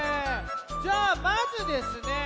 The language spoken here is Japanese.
じゃあまずですね